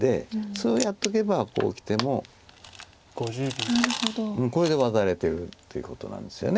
そうやっとけばこうきてもこれでワタれてるということなんですよね。